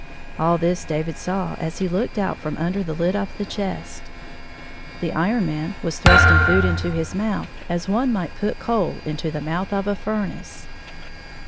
All this David saw as he looked out fi om under the lid of the chest. The Iron Man was thrusting food into his mouth as one might put coal into the mouth of a furnace.